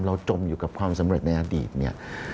จมอยู่กับความสำเร็จในอดีตเนี่ย